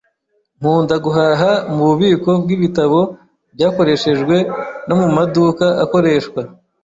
Nkunda guhaha mububiko bwibitabo byakoreshejwe no mumaduka akoreshwa.